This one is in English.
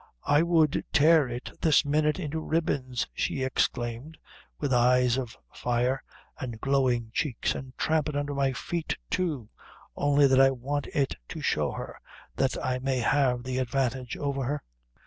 "I would tear it this minute into ribbons," she exclaimed, with eyes of fire and glowing cheeks, "and tramp it undher my feet too; only that I want it to show her, that I may have the advantage over her."